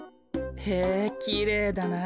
へえきれいだな。